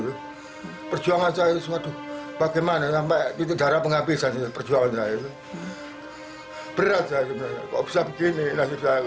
pemerintah kota surabaya melalui dinas sosial akan berupaya